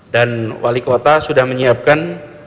dan wali kota sudah menyiapkan